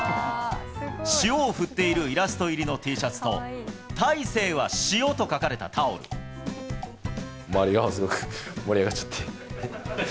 塩を振っているイラスト入りのＴシャツと、大勢は塩と書かれたタ周りがすごく盛り上がっちゃって。